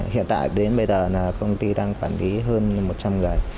hiện tại đến bây giờ là công ty đang quản lý hơn một trăm linh người